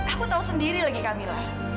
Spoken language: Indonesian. aku tahu sendiri lagi kamilah